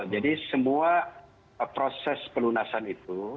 jadi semua proses pelunasan itu